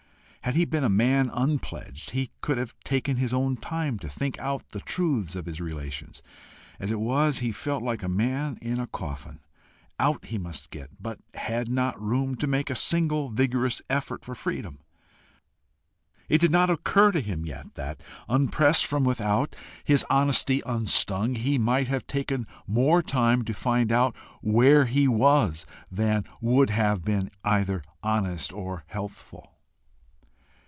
Had he been a man unpledged, he could have taken his own time to think out the truths of his relations; as it was, he felt like a man in a coffin: out he must get, but had not room to make a single vigorous effort for freedom! It did not occur to him yet that, unpressed from without, his honesty unstung, he might have taken more time to find out where he was than would have been either honest or healthful.